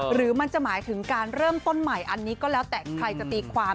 หรือมันจะหมายถึงการเริ่มต้นใหม่อันนี้ก็แล้วแต่ใครจะตีความ